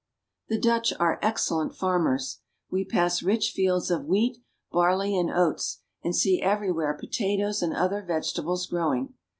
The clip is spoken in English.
The Dutch are excellent farmers. We pass rich fields of wheat, barley, and oats, and see everywhere potatoes and other vegetables growing.